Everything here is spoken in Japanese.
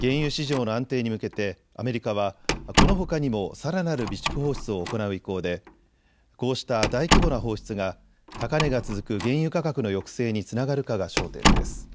原油市場の安定に向けてアメリカはこのほかにもさらなる備蓄放出を行う意向でこうした大規模な放出が高値が続く原油価格の抑制につながるかが焦点です。